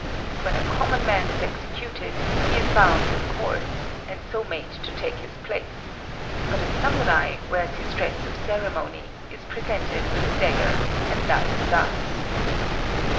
When a common man is executed, he is bound with cords, and so made to take his place; but a Samurai wears his dress of ceremony, is presented with a dagger, and dies thus.